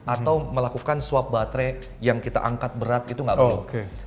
atau melakukan swab baterai yang kita angkat berat itu nggak perlu